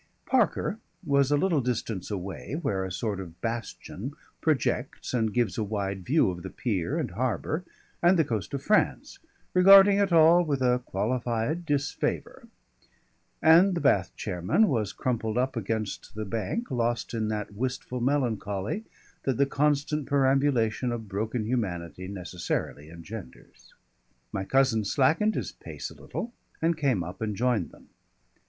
Parker was a little distance away, where a sort of bastion projects and gives a wide view of the pier and harbour and the coast of France, regarding it all with a qualified disfavour, and the bath chairman was crumpled up against the bank lost in that wistful melancholy that the constant perambulation of broken humanity necessarily engenders. [Illustration: A little group about the Sea Lady's bath chair.] My cousin slackened his pace a little and came up and joined them.